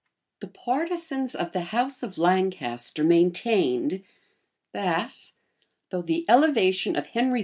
The partisans of the house of Lancaster maintained that, though the elevation of Henry IV.